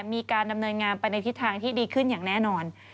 มีการดำเนินงานไปในทิศทางที่ดีขึ้นอย่างแน่นอน